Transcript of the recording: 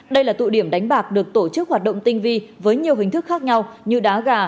đây là tụ điểm đánh bạc được tổ chức hoạt động tinh vi với nhiều hình thức khác nhau như đá gà